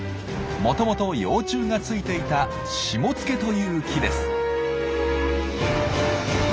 もともと幼虫がついていたシモツケという木です。